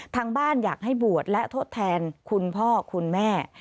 ทางบ้านอยากให้บวชและทดแทนคุณพ่อคุณแม่